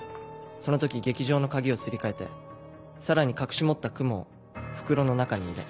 その時劇場の鍵をすり替えてさらに隠し持ったクモを袋の中に入れ。